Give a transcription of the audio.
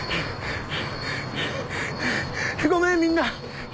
ごめんみんな。